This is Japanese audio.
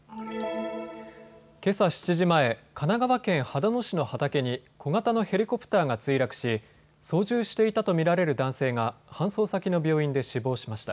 けさ７時前、神奈川県秦野市の畑に小型のヘリコプターが墜落し操縦していたと見られる男性が搬送先の病院で死亡しました。